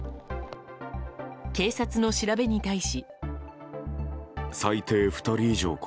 警察の調べに対し。